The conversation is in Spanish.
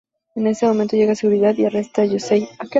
En ese momento llega Seguridad y arresta a Yusei.